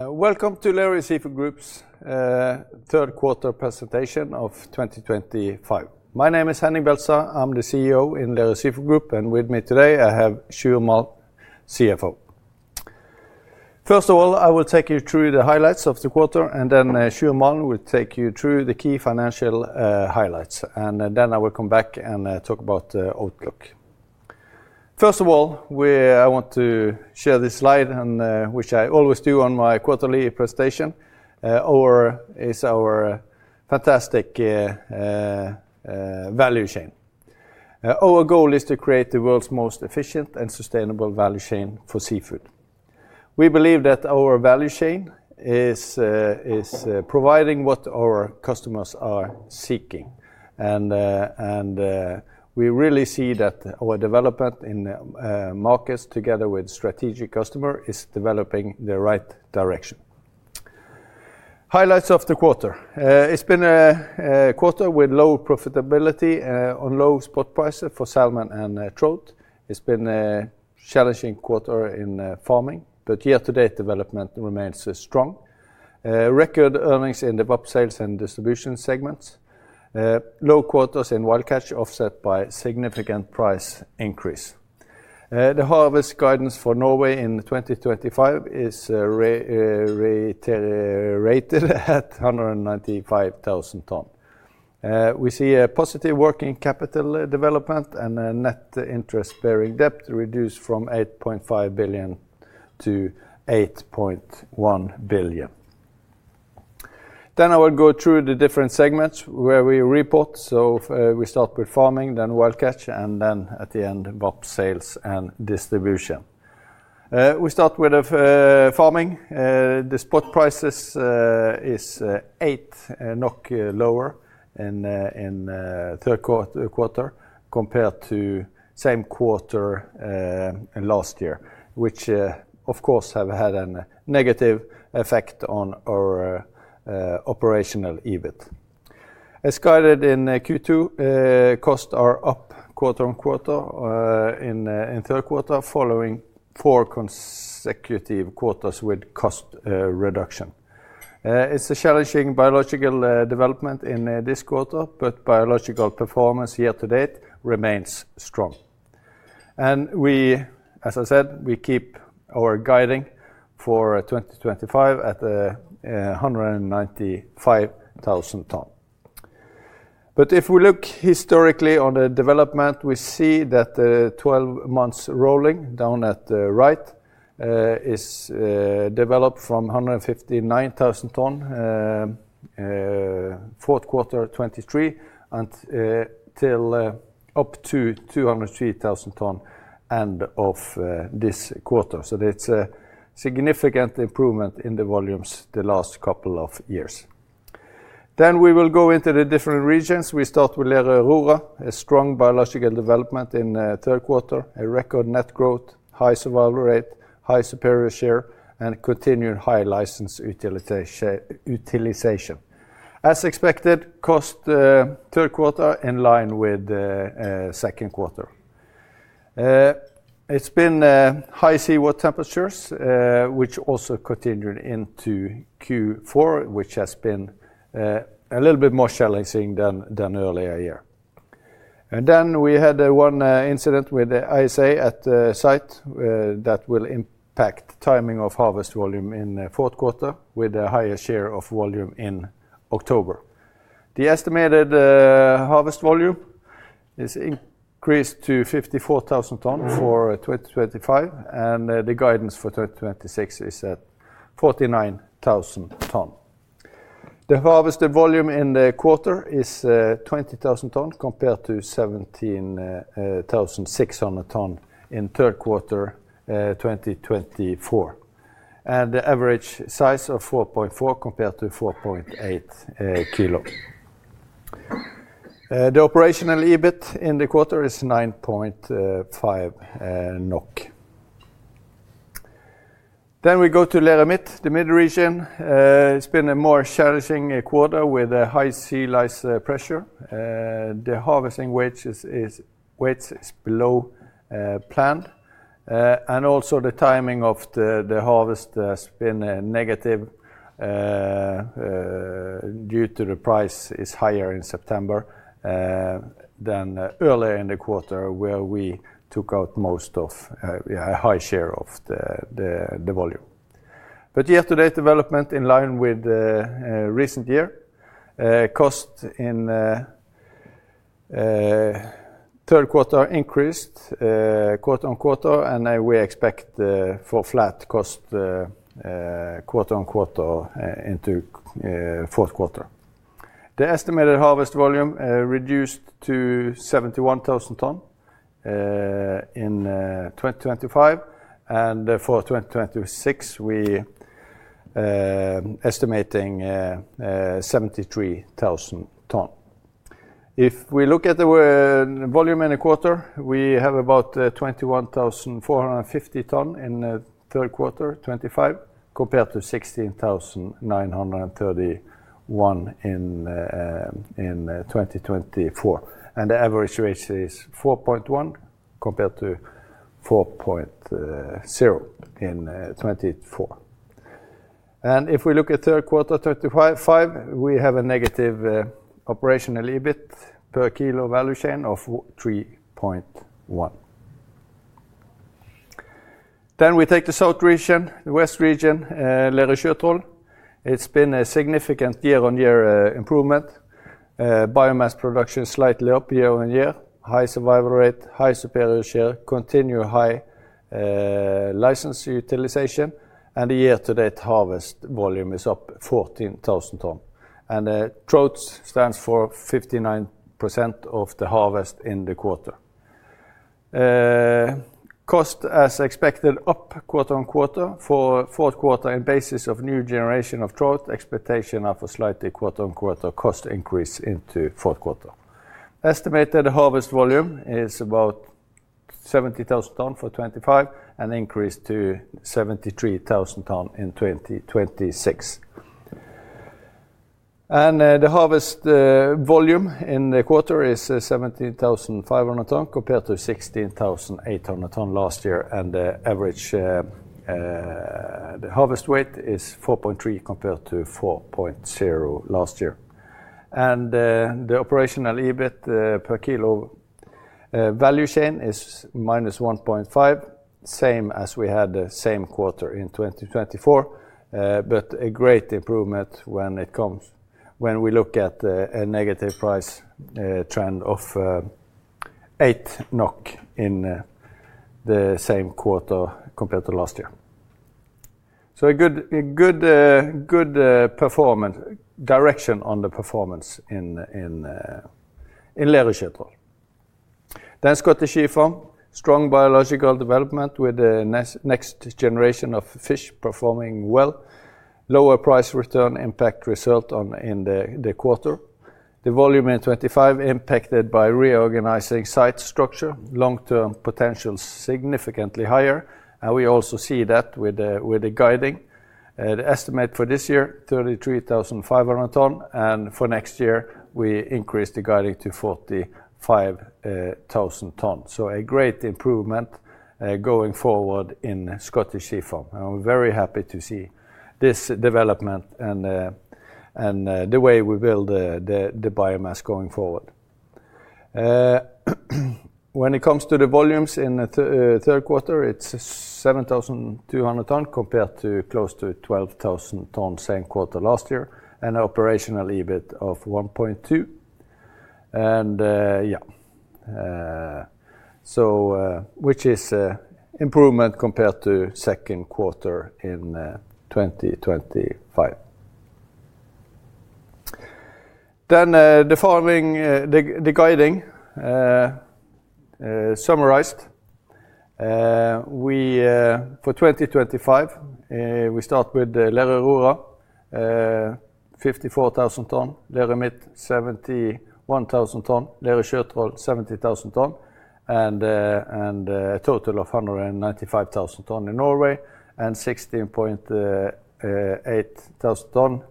Welcome to Lerøy Seafood Group's third quarter presentation of 2025. My name is Henning Beltestad, I'm the CEO in Lerøy Seafood Group, and with me today, I have Sjur Malm, CFO. First of all, I will take you through the highlights of the quarter. Then Sjur Malm will take you through the key financial highlights. Then I will come back and talk about the outlook. First of all, I want to share this slide, which I always do on my quarterly presentation, is our fantastic value chain. Our goal is to create the world's most efficient and sustainable value chain for seafood. We believe that our value chain is providing what our customers are seeking. We really see that our development in markets together with strategic customer is developing the right direction. Highlights of the quarter. It's been a quarter with low profitability on low spot prices for salmon and trout. It's been a challenging quarter in farming, but year-to-date development remains strong. Record earnings in the VAP, Sales & Distribution segments. Low quarters in wild catch offset by significant price increase. The harvest guidance for Norway in 2025 is reiterated at 195,000 ton. We see a positive working capital development and a net interest-bearing debt reduced from 8.5 billion to 8.1 billion. I will go through the different segments where we report. We start with farming, then wild catch, then at the end, VAP, Sales & Distribution. We start with farming. The spot prices is 8 NOK lower in third quarter compared to same quarter last year, which of course, have had a negative effect on our operational EBIT. As guided in Q2, costs are up quarter-on-quarter in third quarter, following four consecutive quarters with cost reduction. It's a challenging biological development in this quarter, but biological performance year-to-date remains strong. As I said, we keep our guiding for 2025 at 195,000 ton. If we look historically on the development, we see that the 12 months rolling down at the right, is developed from 159,000 ton, fourth quarter 2023, up to 203,000 ton end of this quarter. It's a significant improvement in the volumes the last couple of years. We will go into the different regions. We start with Lerøy Aurora, a strong biological development in third quarter, a record net growth, high survival rate, high superior share, and continued high license utilization. As expected, cost third quarter in line with the second quarter. It's been high seawater temperatures, which also continued into Q4, which has been a little bit more challenging than earlier year. Then we had one incident with ISA at the site that will impact timing of harvest volume in fourth quarter, with a higher share of volume in October. The estimated harvest volume is increased to 54,000 ton for 2025, and the guidance for 2026 is at 49,000 ton. The harvested volume in the quarter is 20,000 ton compared to 17,600 ton in third quarter 2024. The average size of 4.4 compared to 4.8 kilo. The operational EBIT in the quarter is 9.5 NOK. We go to Lerøy Midt, the mid region. It's been a more challenging quarter with a high sea lice pressure. The harvesting weights is below plan. Also the timing of the harvest has been negative due to the price is higher in September than earlier in the quarter where we took out a high share of the volume. Year to date development in line with recent year. Cost in third quarter increased quarter-on-quarter. We expect for flat cost quarter-on-quarter into fourth quarter. The estimated harvest volume reduced to 71,000 ton in 2025. For 2026, we estimating 73,000 ton. If we look at the volume in a quarter, we have about 21,450 ton in third quarter '25 compared to 16,931 in 2024. The average rate is 4.1 compared to 4.0 in 2024. If we look at third quarter 25, we have a negative operational EBIT per kilo value chain of 3.1. We take the South region, the West region, Lerøy Sjøtroll. It's been a significant year-on-year improvement. Biomass production slightly up year-on-year. High survival rate, high superior share, continued high license utilization. The year-to-date harvest volume is up 14,000 ton. Trout stands for 59% of the harvest in the quarter. Cost as expected up quarter-on-quarter for fourth quarter in basis of new generation of trout, expectation of a slightly quarter-on-quarter cost increase into fourth quarter. Estimated harvest volume is about 70,000 ton for 2025, an increase to 73,000 ton in 2026. The harvest volume in the quarter is 17,500 ton compared to 16,800 ton last year. The average harvest weight is 4.3 compared to 4.0 last year. The operational EBIT per kilo value chain is minus 1.5, same as we had the same quarter in 2024, a great improvement when we look at a negative price trend of 8 NOK in the same quarter compared to last year. A good direction on the performance in Lerøy Sjøtroll. Scottish Sea Farms. Strong biological development with the next generation of fish performing well. Lower price return impact result in the quarter. The volume in 2025 impacted by reorganizing site structure. Long-term potential significantly higher. We also see that with the guiding. The estimate for this year, 33,500 ton, for next year, we increased the guiding to 45,000 ton. A great improvement going forward in Scottish Sea Farms. We're very happy to see this development and the way we build the biomass going forward. When it comes to the volumes in third quarter, it's 7,200 ton compared to close to 12,000 ton same quarter last year, operational EBIT of NOK 1.2. Which is improvement compared to second quarter in 2025. The guiding summarized. For 2025, we start with Lerøy Aurora, 54,000 ton, Lerøy Midt, 71,000 ton, Lerøy Sjøtroll, 70,000 ton, a total of 195,000 ton in Norway 16.8 thousand ton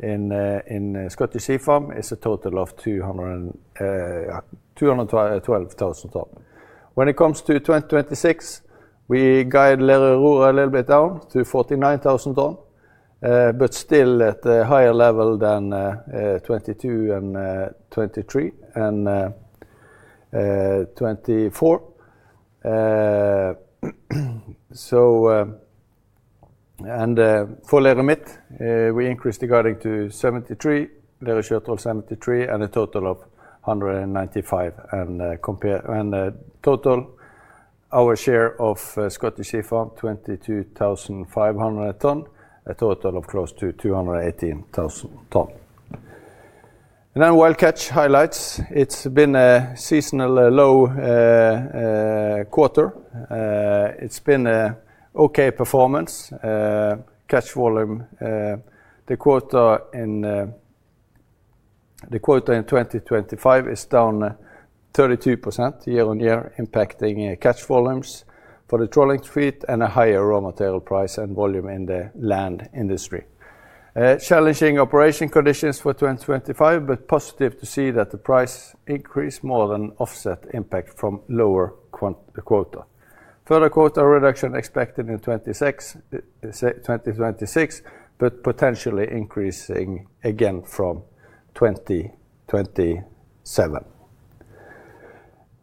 in Scottish Sea Farms is a total of 212,000 ton. When it comes to 2026, we guide Lerøy Aurora a little bit down to 49,000 ton, still at a higher level than 2022, 2023, and 2024. For Lerøy Midt, we increased the guiding to 73, Lerøy Sjøtroll 73, a total of 195. Total our share of Scottish Sea Farms 22,500 ton, a total of close to 218,000 ton. Wild catch highlights. It's been a seasonal low quarter. It's been an okay performance. Catch volume. The quota in 2025 is down 32% year-on-year, impacting catch volumes for the trawling fleet and a higher raw material price and volume in the land industry. Challenging operation conditions for 2025, positive to see that the price increase more than offset impact from lower quota. Further quota reduction expected in 2026, potentially increasing again from 2027.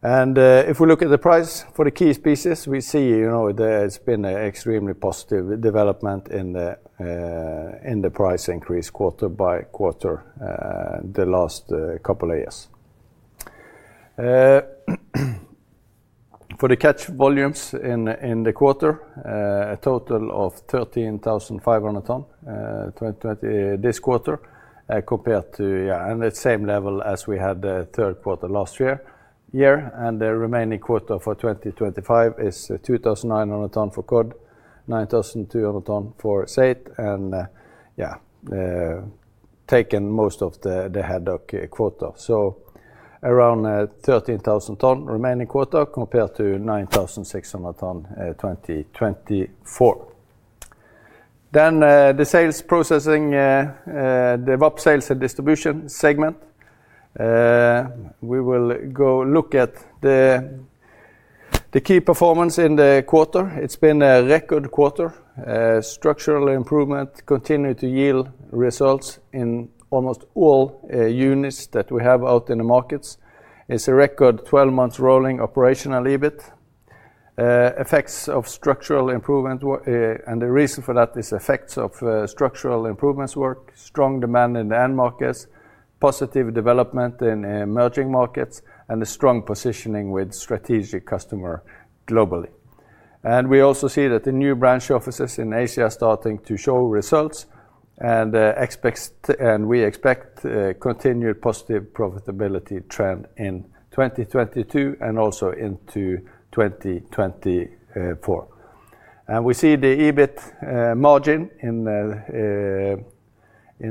If we look at the price for the key species, we see it's been extremely positive development in the price increase quarter by quarter the last couple of years. For the catch volumes in the quarter, a total of 13,500 ton this quarter and the same level as we had the third quarter last year. The remaining quota for 2025 is 2,900 ton for cod, 9,200 ton for saithe and taken most of the haddock quota. Around 13,000 ton remaining quota compared to 9,600 ton 2024. The sales processing, the VAP Sales & Distribution segment. We will go look at the key performance in the quarter. It's been a record quarter. Structural improvement continue to yield results in almost all units that we have out in the markets. It's a record 12 months rolling operational EBIT. Effects of structural improvement work, the reason for that is effects of structural improvements work, strong demand in end markets, positive development in emerging markets, and a strong positioning with strategic customer globally. We also see that the new branch offices in Asia are starting to show results and we expect continued positive profitability trend in 2023 and also into 2024. We see the EBIT margin in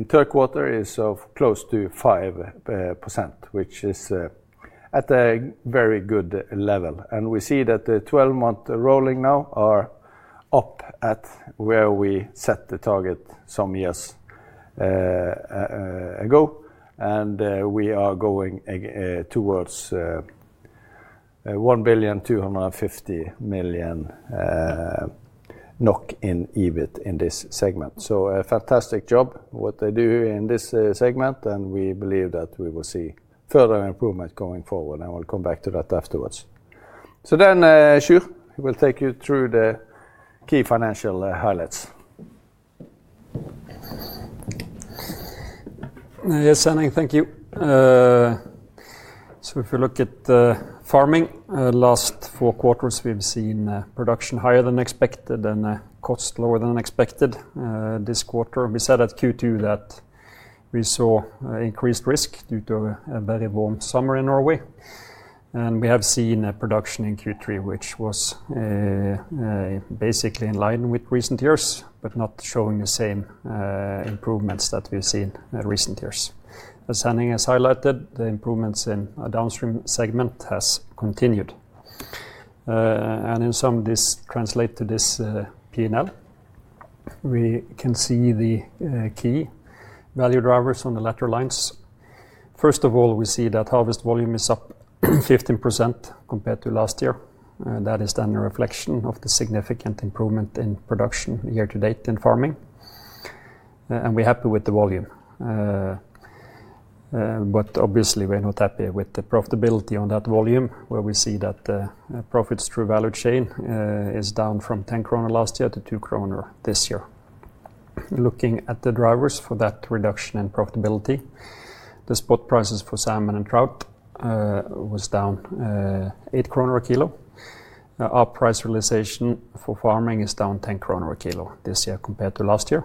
third quarter is close to 5%, which is at a very good level. We see that the 12-month rolling now are up at where we set the target some years ago. We are going towards 1.25 billion in EBIT in this segment. A fantastic job what they do in this segment, and we believe that we will see further improvement going forward. I will come back to that afterwards. Sjur will take you through the key financial highlights. Yes, Henning, thank you. If you look at the farming, last four quarters, we've seen production higher than expected and costs lower than expected. This quarter, we said at Q2 that we saw increased risk due to a very warm summer in Norway. We have seen a production in Q3 which was basically in line with recent years, but not showing the same improvements that we've seen in recent years. As Henning has highlighted, the improvements in downstream segment has continued. In sum, this translate to this P&L. We can see the key value drivers on the latter lines. First of all, we see that harvest volume is up 15% compared to last year. That is then a reflection of the significant improvement in production year-to-date in farming. We're happy with the volume. Obviously, we're not happy with the profitability on that volume, where we see that the profits through value chain is down from 10 kroner last year to 2 kroner this year. Looking at the drivers for that reduction in profitability, the spot prices for salmon and trout was down 8 kroner a kilo. Our price realization for farming is down 10 kroner a kilo this year compared to last year,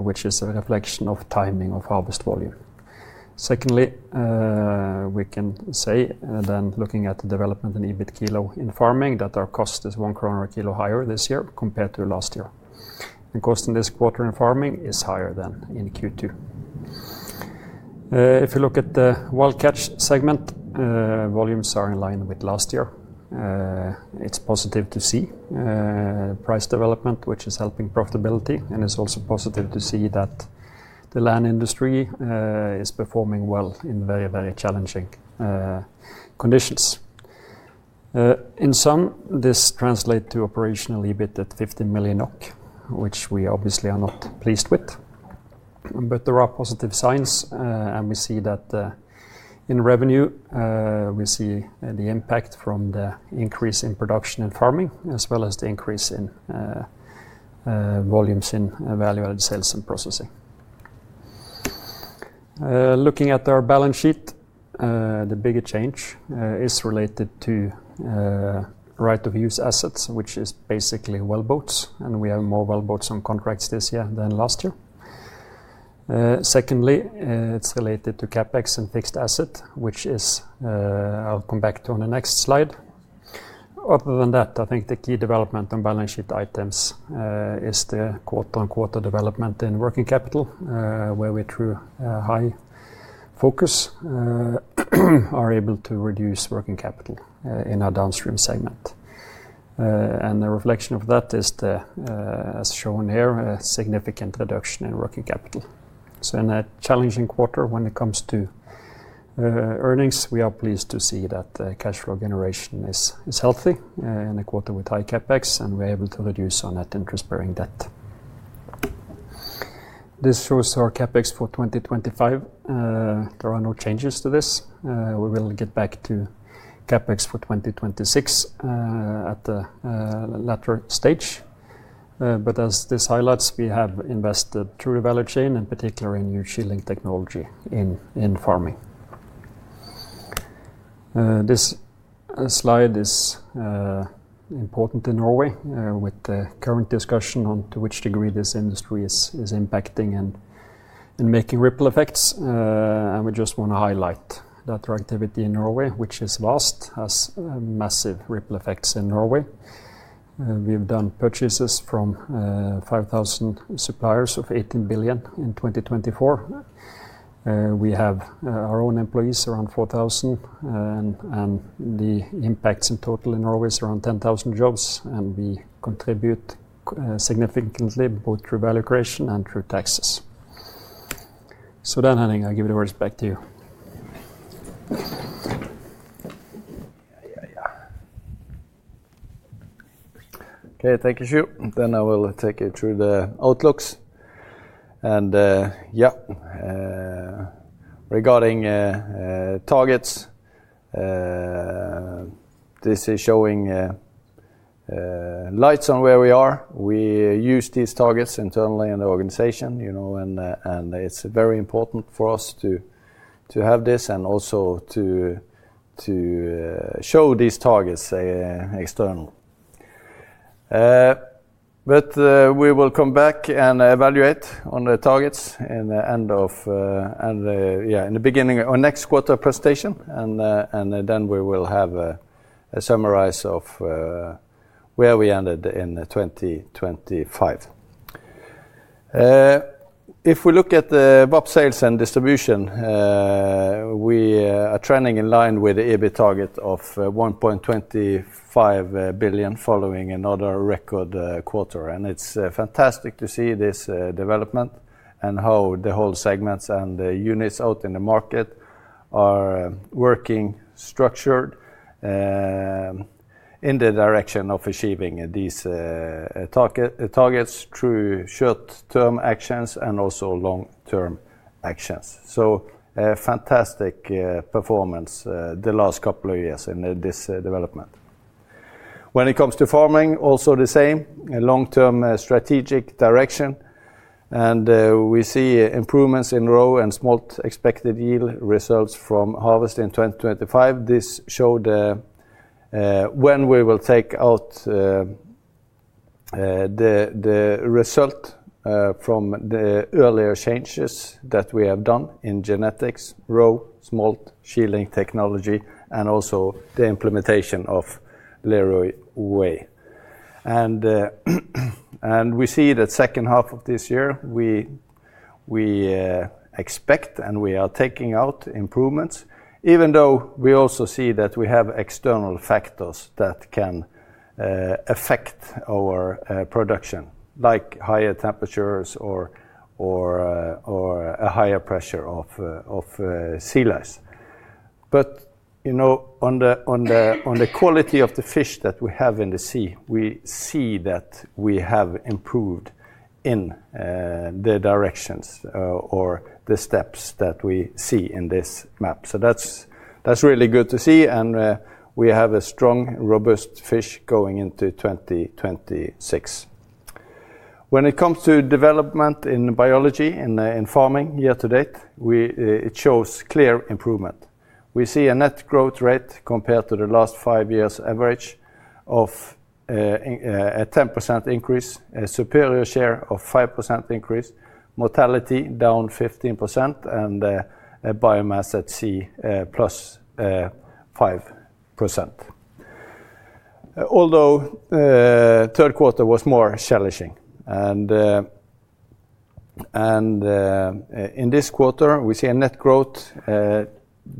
which is a reflection of timing of harvest volume. Secondly, we can say then looking at the development in EBIT kilo in farming, that our cost is 1 kroner a kilo higher this year compared to last year. The cost in this quarter in farming is higher than in Q2. If you look at the wild catch segment, volumes are in line with last year. It's positive to see price development, which is helping profitability, and it's also positive to see that the land industry is performing well in very challenging conditions. In sum, this translate to operational EBIT at 15 million NOK, which we obviously are not pleased with. There are positive signs, and we see that in revenue. We see the impact from the increase in production and farming, as well as the increase in volumes in value-added sales and processing. Looking at our balance sheet, the bigger change is related to right-of-use assets, which is basically wellboats, and we have more wellboats on contracts this year than last year. Secondly, it's related to CapEx and fixed asset, which I'll come back to on the next slide. Other than that, I think the key development on balance sheet items is the quarter-on-quarter development in working capital, where we, through high focus, are able to reduce working capital in our downstream segment. The reflection of that is as shown here, a significant reduction in working capital. In a challenging quarter when it comes to earnings, we are pleased to see that the cash flow generation is healthy in a quarter with high CapEx, and we are able to reduce our net interest-bearing debt. This shows our CapEx for 2025. There are no changes to this. We will get back to CapEx for 2026 at the latter stage. As this highlights, we have invested through the value chain, in particular in new chilling technology in farming. This slide is important in Norway with the current discussion on to which degree this industry is impacting and making ripple effects. We just want to highlight that our activity in Norway, which is vast, has massive ripple effects in Norway. We've done purchases from 5,000 suppliers of 18 billion in 2024. We have our own employees, around 4,000, and the impacts in total in Norway is around 10,000 jobs, and we contribute significantly both through value creation and through taxes. Henning, I give the words back to you. Okay, thank you, Sjur. I will take you through the outlooks. Yeah. Regarding targets, this is showing lights on where we are. We use these targets internally in the organization, and it's very important for us to have this and also to show these targets external. We will come back and evaluate on the targets in the beginning of next quarter presentation, and then we will have a summarize of where we ended in 2025. If we look at the VAP, Sales & Distribution, we are trending in line with the EBIT target of 1.25 billion, following another record quarter. It's fantastic to see this development and how the whole segments and the units out in the market are working structured in the direction of achieving these targets through short-term actions and also long-term actions. A fantastic performance the last couple of years in this development. When it comes to farming, also the same. Long-term strategic direction, we see improvements in roe and smolt expected yield results from harvest in 2025. This showed when we will take out the result from the earlier changes that we have done in genetics, roe, smolt, shielding technology, and also the implementation of Lerøy Way. We see that second half of this year, we expect and we are taking out improvements, even though we also see that we have external factors that can affect our production, like higher temperatures or a higher pressure of sea lice. On the quality of the fish that we have in the sea, we see that we have improved in the directions or the steps that we see in this map. That's really good to see, and we have a strong, robust fish going into 2026. When it comes to development in biology and in farming year to date, it shows clear improvement. We see a net growth rate compared to the last five years' average of a 10% increase, a superior share of 5% increase, mortality down 15%, and biomass at sea +5%. Third quarter was more challenging. In this quarter, we see a net growth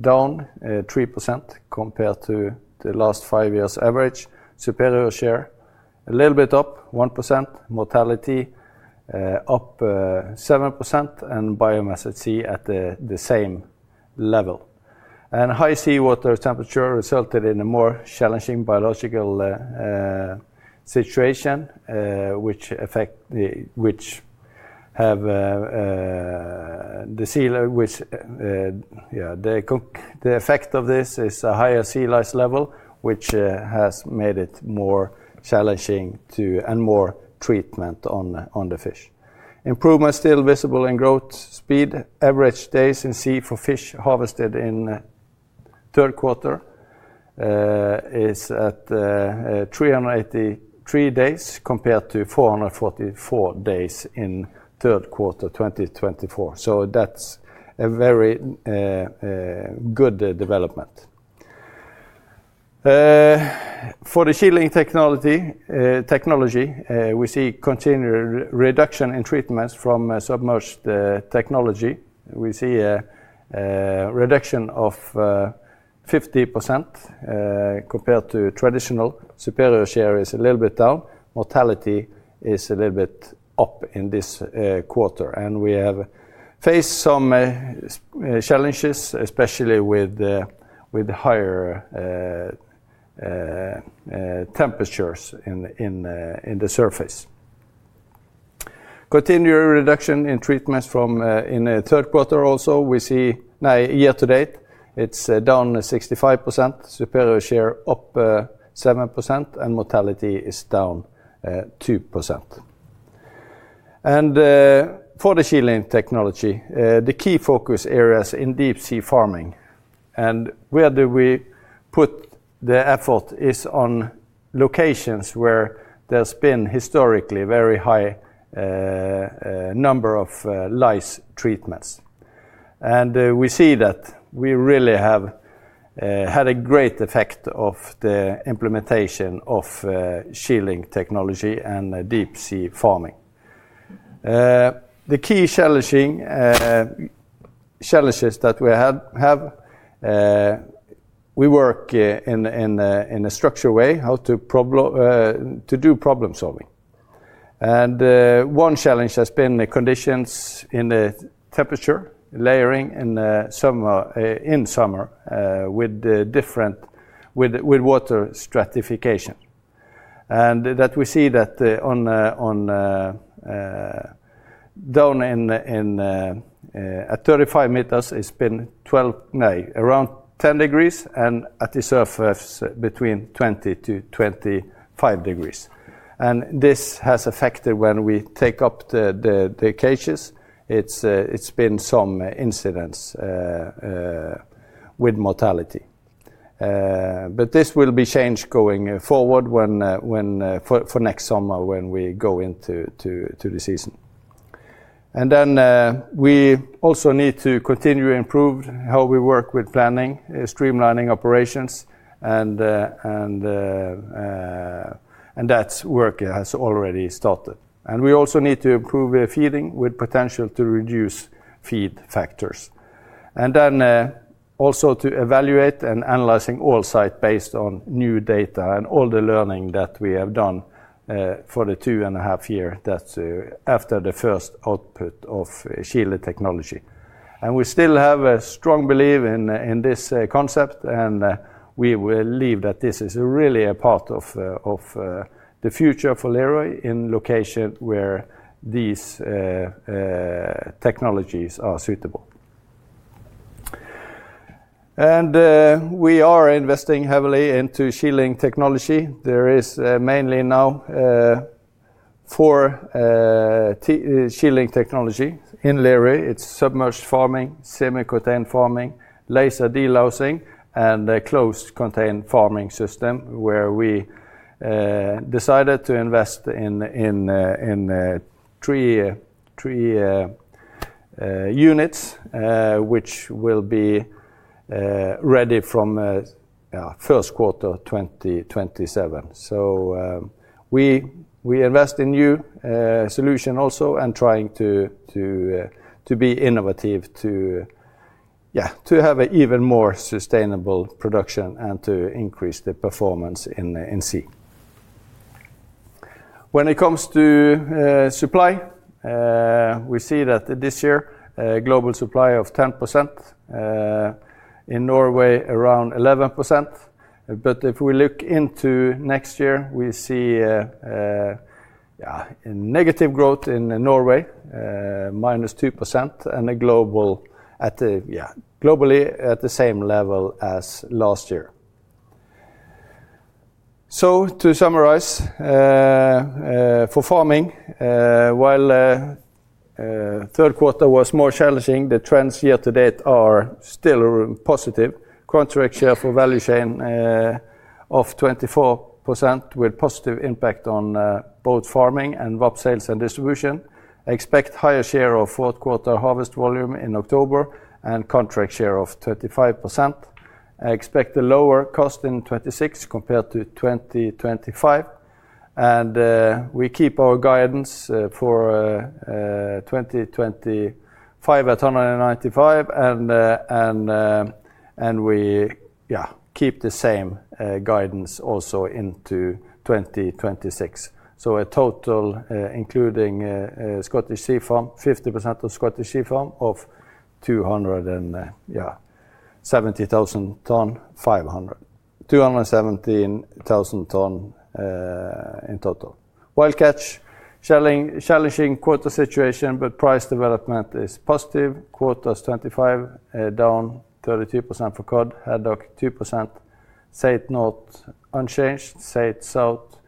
down 3% compared to the last five years' average. Superior share a little bit up 1%, mortality up 7%, and biomass at sea at the same level. High seawater temperature resulted in a more challenging biological situation, which the effect of this is a higher sea lice level, which has made it more challenging and more treatment on the fish. Improvement still visible in growth speed. Average days in sea for fish harvested in third quarter is at 383 days, compared to 444 days in third quarter 2024. That's a very good development. For the shielding technology, we see continued reduction in treatments from submerged farming. We see a reduction of 50% compared to traditional. Superior share is a little bit down. Mortality is a little bit up in this quarter. We have faced some challenges, especially with the higher temperatures in the surface. Continued reduction in treatments in the third quarter also. Year to date, it's down 65%, superior share up 7%, and mortality is down 2%. For the shielding technology, the key focus areas in deep sea farming and where do we put the effort is on locations where there's been historically very high number of lice treatments. We see that we really have had a great effect of the implementation of shielding technology and deep sea farming. One challenge has been the conditions in the temperature layering in summer with water stratification. That we see that down at 35 meters, it's been around 10 degrees and at the surface between 20 to 25 degrees. This has affected when we take up the cages. It's been some incidents with mortality. This will be changed going forward for next summer when we go into the season. We also need to continue to improve how we work with planning, streamlining operations, and that work has already started. We also need to improve feeding with potential to reduce feed factors. Also to evaluate and analyzing all site based on new data and all the learning that we have done for the two and a half year, that's after the first output of shielding technology. We still have a strong belief in this concept, and we believe that this is really a part of the future for Lerøy in location where these technologies are suitable. We are investing heavily into shielding technology. There is mainly now four shielding technology in Lerøy. It's submerged farming, semi-contained farming, laser delousing, and a closed contained farming system where we decided to invest in three units, which will be ready from first quarter 2027. We invest in new solution also and trying to be innovative to have an even more sustainable production and to increase the performance in sea. When it comes to supply, we see that this year, global supply of 10%, in Norway around 11%. If we look into next year, we see a negative growth in Norway, minus 2%, and globally at the same level as last year. To summarize, for farming, while third quarter was more challenging, the trends year-to-date are still positive. Contract share for value chain of 24% with positive impact on both farming and VAP, Sales & Distribution. Expect higher share of fourth quarter harvest volume in October and contract share of 35%. Expect a lower cost in 2026 compared to 2025. We keep our guidance for 2025 at 195,000 ton and we keep the same guidance also into 2026. A total including Scottish Sea Farms, 50% of Scottish Sea Farms of 217,000 tons in total. Wild Catch, challenging quota situation, but price development is positive. Quotas 2025 down 32% for cod, haddock 2%, Saithe North unchanged, Saithe South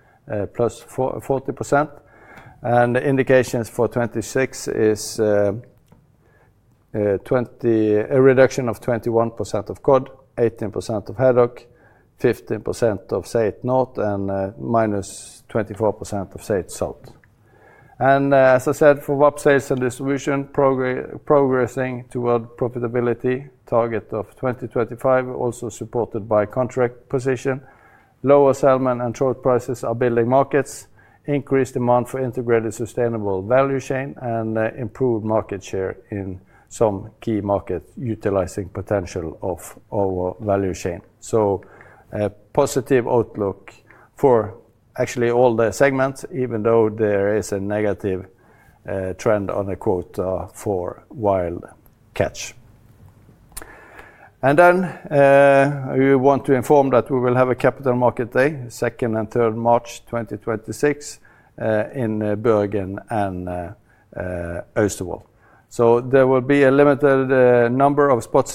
plus 40%. Indications for 2026 is a reduction of 21% of cod, 18% of haddock, 15% of Saithe North and minus 24% of Saithe South. As I said, for VAP, Sales & Distribution, progressing toward profitability, target of 2025 also supported by contract position. Lower settlement and spot prices are building markets. Increased demand for integrated sustainable value chain and improved market share in some key markets utilizing potential of our value chain. A positive outlook for actually all the segments, even though there is a negative trend on the quota for Wild Catch. We want to inform that we will have a Capital Markets Day, 2nd and 3rd March 2026, in Bergen and Austevoll. There will be a limited number of spots